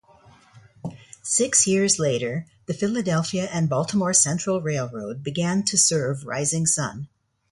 Six years later the Philadelphia and Baltimore Central Railroad began to serve Rising Sun.